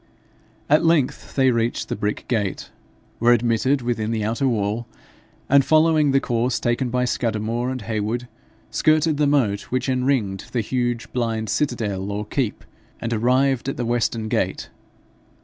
At length they reached the brick gate, were admitted within the outer wall, and following the course taken by Scudamore and Heywood, skirted the moat which enringed the huge blind citadel or keep, and arrived at the western gate.